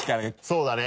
そうだね。